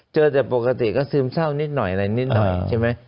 เจอแต่ปกติก็ซึมเศร้านิดหน่อยอะไรนิดหน่อยใช่ไหม